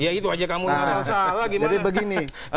ya itu aja kamu yang hafal salah gimana